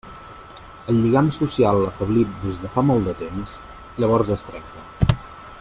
El lligam social afeblit des de fa molt de temps llavors es trenca.